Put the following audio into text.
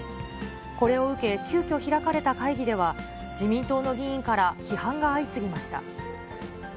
これを受け、急きょ、開かれた会議では、自民党の議員から批判が相次ぎました。